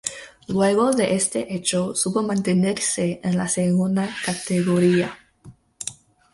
Luego de este hecho, supo mantenerse en la segunda categoría.